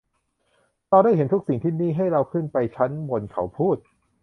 เราได้เห็นทุกสิ่งที่นี่; ให้เราขึ้นไปชั้นบนเขาพูด